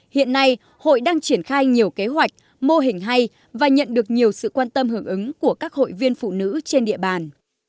hiện nay hội đang triển khai nhiều kế hoạch mô hình hay và nhận được nhiều sự quan tâm hưởng ứng của các hội viên phụ nữ trên địa bàn